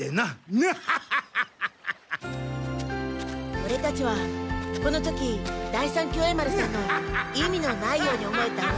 オレたちはこの時第三協栄丸さんの意味のないように思えた大わらいが。